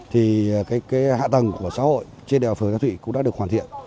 thì hạ tầng của xã hội trên đèo phường gia thụy cũng đã được hoàn thiện